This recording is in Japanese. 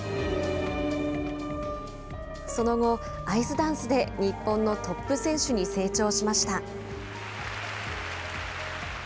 その後、アイスダンスで日本のトップ選手に成長しました。